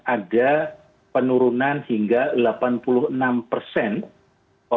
ada penurunan hingga delapan puluh enam orang tidak diberi wolbachia